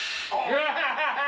ガハハハ！